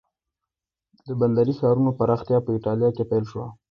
د بندري ښارونو پراختیا په ایټالیا کې پیل شوه.